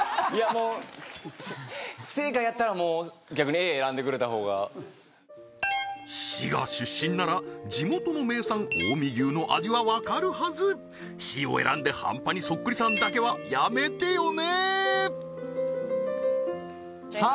もう不正解やったらもう逆にＡ選んでくれたほうが滋賀出身なら地元の名産近江牛の味はわかるはずＣを選んで半端にそっくりさんだけはやめてよねー！